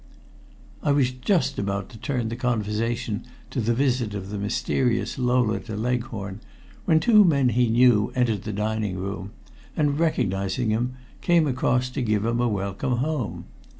I was just about to turn the conversation to the visit of the mysterious Lola to Leghorn, when two men he knew entered the dining room, and, recognizing him, came across to give him a welcome home.